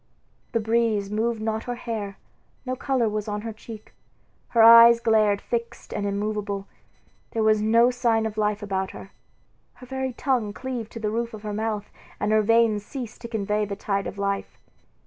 The breeze moved not her hair, no color was on her cheek, her eyes glared fixed and immovable, there was no sign of life about her. Her very tongue cleaved to the roof of her mouth, and her veins ceased to convey the tide of life.